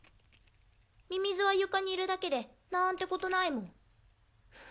ミミズは床にいるだけでなんてことないもん。